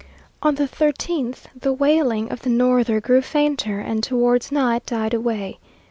On the thirteenth the wailing of the norther grew fainter, and towards night died away.